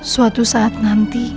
suatu saat nanti